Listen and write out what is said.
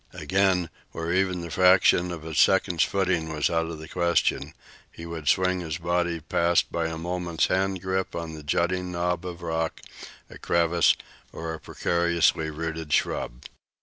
Again, where even the fraction of a second's footing was out of the question, he would swing his body past by a moment's hand grip on a jutting knob of rock, a crevice, or a precariously rooted shrub.